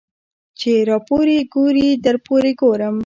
ـ چې راپورې ګورې درپورې ګورم.